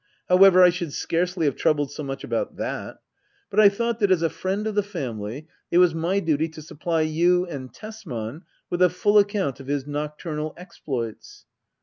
However, I should scarcely have troubled so much about that. But I thought that, as a friend of the family, it was my duty to supply you and Tesman with a full account of his nocturnal exploits.